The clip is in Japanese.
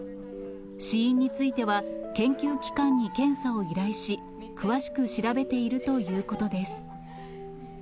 死因については、研究機関に検査を依頼し、詳しく調べているということです。